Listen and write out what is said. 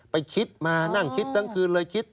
ไปคิดมานั่งคิดทั้งคืนเลยคิด